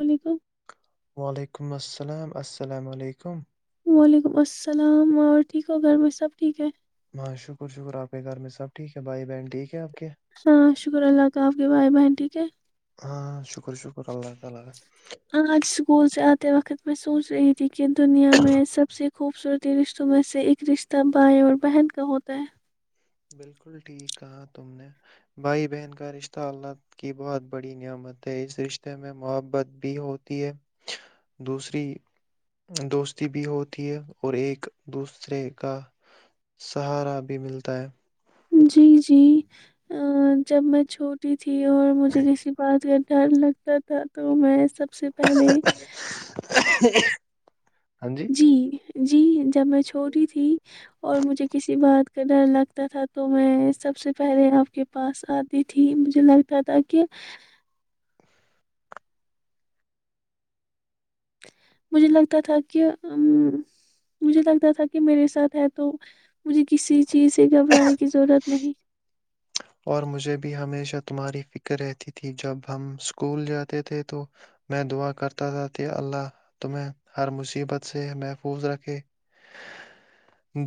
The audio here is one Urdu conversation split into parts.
وعلیکم وعلیکم السلام سلام السلام علیکم وعلیکم السلام اور ٹھیک ہو گھر میں سب ٹھیک ہے ہاں شکر شکر آپ کے گھر میں سب ٹھیک ہے بھائی بہن ٹھیک ہے آپ کے شکر اللہ کا اپ کے بھائی بھائی ٹھیک ہیں ہاں شکر شکر اللہ تعالیٰ کا آج اسکول سے آ وقت میں سوچ رہی تھی کہ کہ دنیا میں سب سے خوبصورتی رشتوں میں سے ایک رشتہ بھائ اور بہن کا ہوتا ہے بالکل ٹھیک کہا تم نے بھائی بہن کا رشتہ اللہ کی بہت بڑی نعمت ہے اس رشتے میں محبت بھی ہوتی ہے دوسری دوستی بھی ہوتی ہے اور ایک دوسرے کا سہارا بھی ملتا ہے جی جی جب میں چھوٹی تھی اور مجھے کسی بات ڈر لگتا تھا تو میں سب سب سے پہلے ہ [unintelligible] جی جی جب میں چھوٹی تھی اور مجھے کسی بات ڈر لگتا تھا تو میں سب سے پہلے آپ کے پاس آتی تھی مجھے لگتا تھا کہ مجھے لگتا تھا کہ ا مجھے لگتا تھا کہ میرے ساتھ ہے تو [unintelligible] مجھے کسی چیز سے گھبرانے کی ضرورت نہیں اور مجھے بھی ہمیشہ تمہاری فکر رہتی تھی جب ہم اسکول جاتے تھے تو میں دعا کرتا تھا کہے اللہ تمہیں ہر مصیبت سے محفوظ رکھے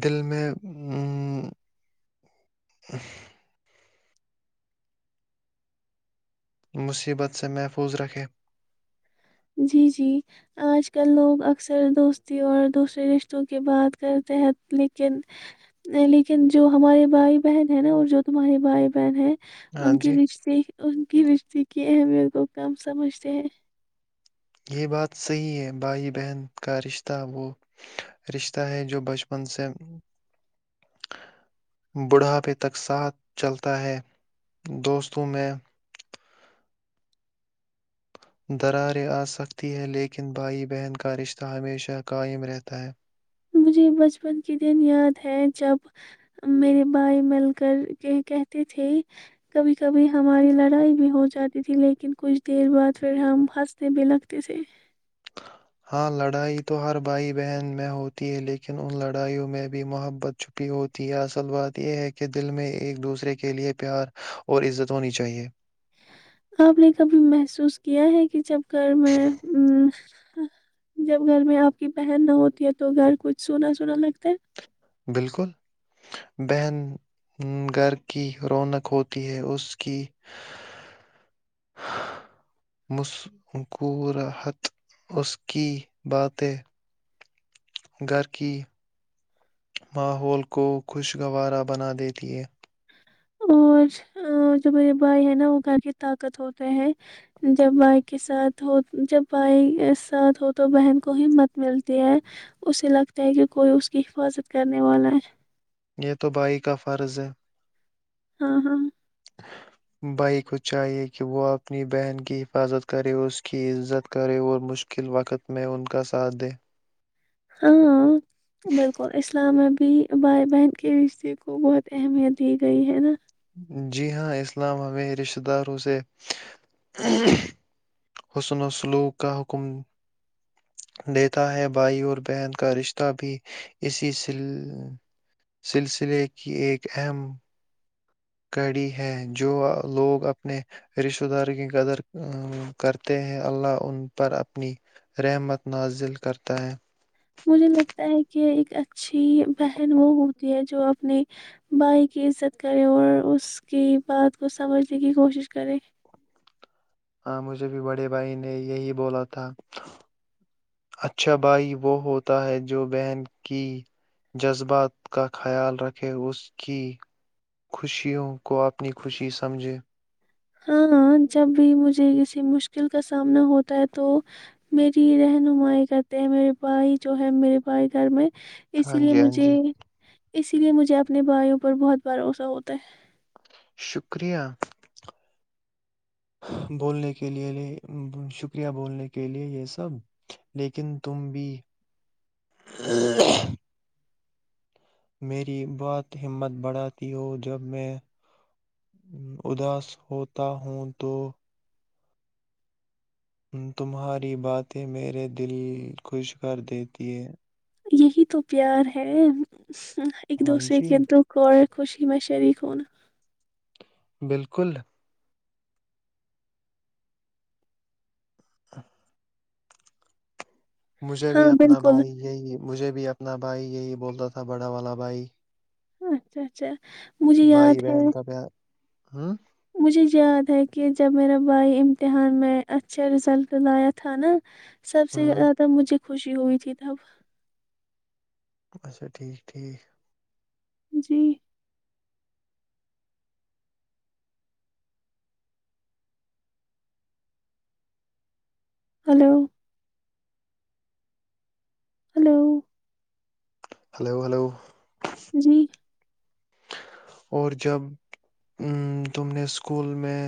دل میں ہ ا [unintelligible] مصیبت سے محفوظ رکھے جی جی آج کل لوگ اکثر دوستی اور دوسرے رشتوں کے بات کرتے ہیں لیکن لیکن جو ہمارے بھائی بہن ہے نا اور جو تمہارے بھائی بہن ہے ہاں ان کے جی رش ان کی رشتے کی اہمیت کو کم سمجھتے ہیں [unintelligible] یہ بات صحیح ہے بھائی بہن کا رشتہ وہ رشتہ ہے جو بچپن سے بڑھاپے تک ساتھ چلتا ہے دوستوں میں دراریں آ سکتی ہیں لیکن بھائی بہن کا رشتہ ہمیشہ قائم رہتا ہے مجھے بچپن کے دن یاد ہے جب میرے بھائی مل کر کہتے تھے کبھی کبھی ہماری لڑائی بھی ہو جاتی تھی لیکن کچھ دیر بعد پھر ہم ہنستے بھی لگتے تھے ہاں لڑائی تو ہر بھائی بہن میں ہوتی ہے لیکن ان لڑائیوں میں بھی محبت چھپی ہوتی ہے اصل بات یہ ہے کہ دل میں ایک دوسرے کے لیئے پیار اور عزت ہونی چاہیے آپ نے کبھی محسوس کیا ہے کہ جب کرھر میں ا جب گھر میں آپ کی بہن نہ ہوتی ہے تو گھر کچھ سنا سونا لگتا ہے [unintelligible] بالکل بہن گھر کی رونق ہوتی ہے اس کی مسکورت اس کی باتیں گھر کی ماحول کو خوشگوارا بنا دیتی ہے [unintelligible] اور جو میرے بھائی ہے نا وہ گھر کی طاقت ہوتا ہے جب بھائی کے ساتھ ہو جب بھائی ساتھ ہو تو بہن کو ہی مت ملتی ہے اسے لگتا ہے کہ کوئی اس کی حفاظت کرنے والا ہے یہ تو بائی کا فرض ہے ہاں ہاں بھائی کو چاہیئے کہ وہ اپنی بہن کی حفاظت کرے اس کی عزت کرے اور مشکل وقت میں ان کا ساتھ دے ہاں بالکل اسلام میں بھی بھائی بہن کے رشتے کو بہت اہمیت دی گئی ہے نا جی ہاں اسلام ہمیں رشتہ داروں سے حسن و سلوک کا حکم دیتا ہے بھائی اور بہن کا رشتہ بھی اسی سلسلے کی ایک اہم کڑی ہے جو لوگ اپنے رشتہ داروں کی قدر کرتے ہیں اللہ ان پر اپنی رحمت نزل کرتا ہے مجھے لگتا ہے کہ ایک اچھی بہن وہ ہوتی ہے جو اپنے بھائی کی عزت کرے اور اس کی بات کو سمجھنے کی کوشش کرے ہاں مجھے بھی بڑے بھائی نے یہی بولا تھا اچھا بھائی وہ ہوتا ہے جو بہن کی جذبات کا خیال رکھے اس کی خوشیوں کو اپنی خوشی سمجھے ہاں جب بھی مجھے کسی مشکل کا سامنا ہوتا ہے تو میری رہنمائی کرتے ہیں میرے بھائی جو ہے میرے بھائی گھر میں اس ہاں لیے جی ہاں مجھے جی اسی لیے مجھے اپنے بھائیوں پر بہت بھروسہ ہوتا ہے شکریہ بولنے کے لیے شکریہ بولنے کے لیے یہ سب لیکن تم بھی [unintelligible] میری بہت ہمت بڑھاتی ہو جب میں اداس ہوتا ہوں تو تمہاری باتیں میرے دل خوش کر دیتی ہے یہی تو پیار ہے ہ ایک ہاں دوسرے جی کے انترکھ اور خوشی میں شریک ہوں ن بالکل ا [unintelligible] مجھے ہاں بھی اپنا بالکل بھائی یہی مجھے بھی اپنا نہ بھائی یہی بولتا تھا بڑا والا بھائی اچھا اچھا مجھے بھائی یاد ہے بہن کا پیار ہوں مجھے یاد ہے کہ جب میرا بھائی امتحان میں اچھا رزلٹ لایا تھا نا سب سے ہوں زیادہ مجھے خوشی ہوئی تھی تب اچھا ٹھیک ٹھیک جی ہلو ہلو ہلو ہلو جی اور جب تم نے اسکول میں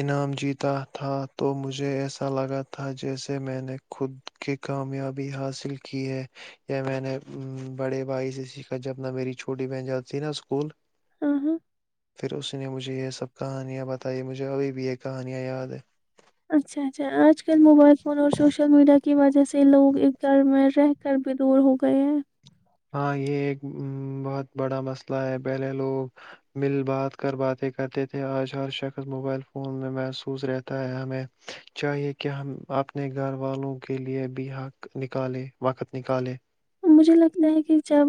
انعام جیتا تھا تو مجھے ایسا لگا تھا جیسے میں نے خود کی کامیابی حاصل کی ہے یا میں نے بڑے بھائی سے سیکھا جبنا میری چھوٹی بہن جاتی تھی نا اسکول ہاں ہاں پھر اس نے مجھے یہ سا سب کہانیاں بتائی مجھے ابھی بھی یہ کہانیاں یاد ہے اچھا اچھا آج کل موبائل فون اور سوشل میڈیا کی وجہ سے لوگ ایک گھر میں رہ کر بھی دور ہو گئے ہیں ہاں یہ ایک بہت بڑا مسئلہ ہے پہلے لوگ مل بات کر باتیں کرتے تھے آج ہر شخص موبائل فون میں محسوس رہتا ہے ہمیں چاہیے کہ ہم اپنے گھر والوں کے لیے بھی حق نکالے وقت نکالے مجھے لگتا ہے کہ جب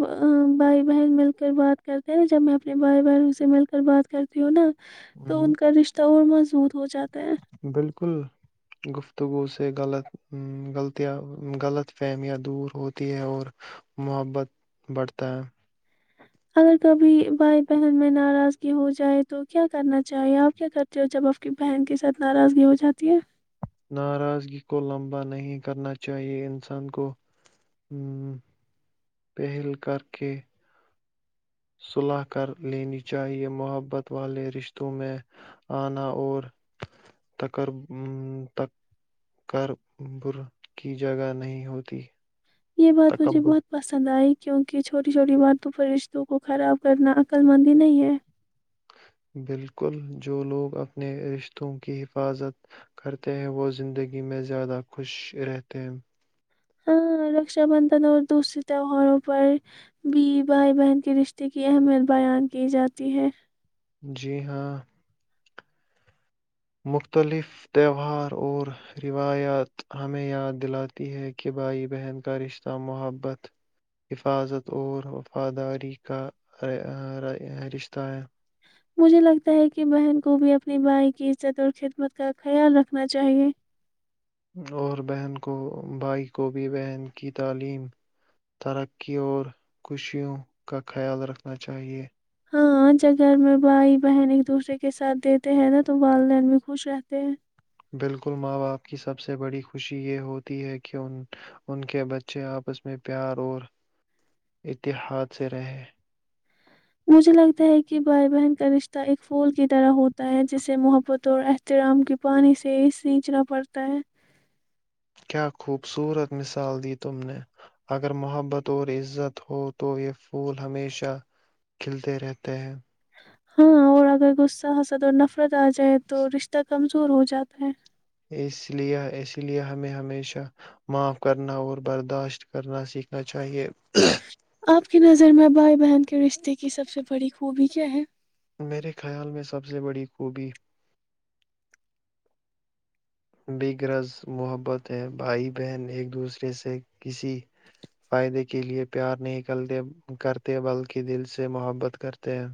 بھائی بہن مل کر بات کرتے ہیں ن جب میں اپنے بھائی بہن سے مل کر بات کرتی ہوں نا تو ہم، ان کا رشتہ وہ محود ہو جاتا ہیں بالکل گفتگو سے غلط غلطیاں غلط فہمیاں دور ہوتی ہے اور محبت بڑھتا ہے اگر کبھی بھائی بہن میں ناراضگی ہو جائے تو کیا کرنا چاہیے آپ کیا کرتے ہو جب آپ کی بہن کے ساتھ ناراضگی ہو جاتی ہے ناراضگی کو لمبا نہیں کرنا چاہیے انسان کو ہ پہل کر کے صلح کر لینی چاہیئے محبت والے رشتوں میں آنا اور تکربر کی جگہ نہیں ہوتی یہ بات مجھے تکبر بہت پسند آئی کیونکہ چھوٹی چھوٹی باتوں پر رشتوں کو خراب کرنا عقل مندی نہیں ہے بالکل جو لوگ اپنے رشتوں کی حفاظت کرتے ہیں وہ زندگی میں زیادہ خوش رہتے ہیں ہاں رکشا بندھن اور دوسرے تہوہاروں پر بھی بھائی بہن کے رشتے کی اہمیت بیان کی جاتی ہے جی ہاں مختلف تہوار اور روایات ہمیں یاد دلاتی ہے کہ بھائی بہن کا رشتہ محبت حفاظت اور وفاداری کا رشتہ ہے مجھے لگتا ہے کہ بہن کو بھی اپنی بھائی کی عزت اور خدمت کا خیال رکھنا چاہیے اور بہن کو بھائی کو بھی بہن کی تعلیم ترقی اور خوشیوں کا خیال رکھنا چاہیے ہاں جب گھر میں بھائی بہن ایک دوسرے کے ساتھ دیتے ہیں نا تو والدین بھی خوش رہتے ہیں بالکل ماں باپ کی سب سے بڑی خوشی یہ ہوتی ہے کہ ان کے بچے آپس میں پیار اور اتحاد سے رہیں مجھے لگتا ہے کہ بھائی بہن کا رشتہ ایک پھول کی طرح ہوتا ہے جسے محبت اور احترام کے پانی سے سینچنا پڑتا ہے کیا خوبصورت مثال دی تم نے اگر محبت اور عزت ہو تو یہ پھول ہمیشہ کھلتے رہتے ہیں ہاں اور اگر غصہ حصد اور نفرت آ جائے تو رشتہ کمزور ہو جاتا ہے اس لئے اس لئے ہمیں ہمیشہ معاف کرنا اور برداشت کرنا سیکھنا چاہیئے آپ کی نظر میں بھائی بہن کے رشتے کی سب سے بڑی خوبی کیا ہے میرے خیال میں سب سے بڑی خوبی ب گرز محبت ہے بھائی بہن ایک دوسرے سے کسی فائدے کے لیے پیار نہیںکلتے کرتے بلکہ دل سے محبت کرتے ہیں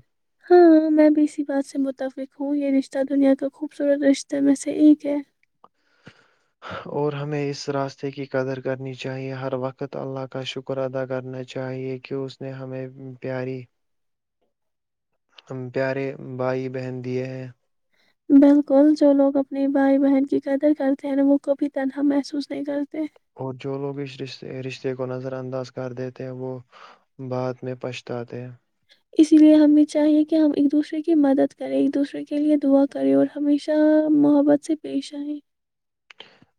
ہاں ہاں میں بھی اسی بات سے متفق ہوں یہ رشتہ دنیا کا خوبصورت رشتے میں سے ایک ہے اور ہمیں اس راستے کی قدر کرنی چاہیے ہر وقت اللہ کا شکر ادا کرنا چاہیے کہ اس نے ہمیں پیاری پیارے بھائی بہن دیے ہیں بالکل جو لوگ اپنی بھائی بہن کی قدر کرتے ہیں نا وہ کبھی تنہا محسوس نہیں کرتے اور جو لوگ اس رشتے رشتے کو نظر انداز کر دیتے ہیں وہ بعد میں پچھتاتے ہیں اسی لیے ہمیں چاہیے کہ ہم ایک دوسرے کی مدد کریں ایک دوسرے کے لئے دعا کریں اور ہمیشہ محبت سے پیش آئیں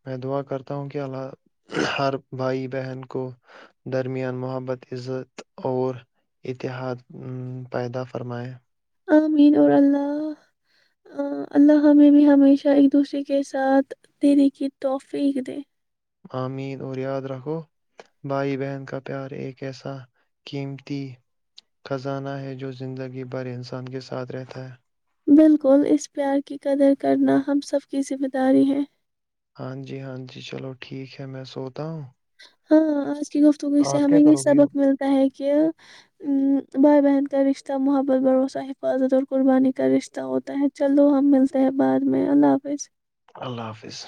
میں دعا کرتا ہوں کہ اللہ ہر بھائی بہن کو درمیان محبت عزت اور اتحاد پیدا فرمائے آمین اور اللہ اللہ ہمیں بھی ہمیشہ ایک دوسرے کے ساتھ دیر کی توحفیق دے آمین اور یاد رکھو بھائی بہن کا پیار ایک ایسا قیمتی خزانہ ہے جو زندگی بھر انسان کے ساتھ رہتا ہے بالکل اس پیار کی قدر کرنا ہم سب کی ذمہ داری ہے ہاں جی ہاں جی چلو ٹھیک ہے میں سو ہاں آج کی گفتگو سے آپ ہمیں کیا یہ کرو گے اب سبق ملتا ہے کہ بھائی بہن کا رشتہ محبت بھروسہ حفاظت اور قربانی کا رشتہ ہوتا ہے چلو ہم ملتے ہیں بعد میں اللہ حافظ اللہ حافظ